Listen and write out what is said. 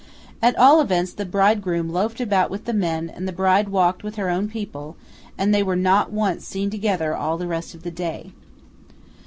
At all events, the bridegroom loafed about with the men, and the bride walked with her own people, and they were not once seen together all the rest of the day.